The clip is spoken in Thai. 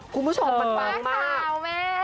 คุณผู้ชมมันปั๊กมาก